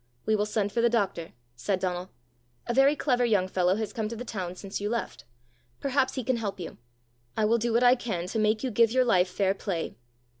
"We will send for the doctor," said Donal. "A very clever young fellow has come to the town since you left: perhaps he can help you. I will do what I can to make you give your life fair play."